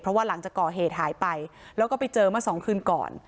เพราะว่าหลังจากก่อเหตุหายไปแล้วก็ไปเจอเมื่อสองคืนก่อน